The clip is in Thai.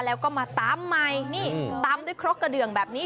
แล้วก็มาตำใหม่นี่ตำด้วยครกกระเดืองแบบนี้